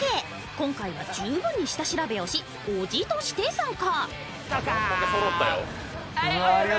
今回は十分に下調べをし、叔父として参加。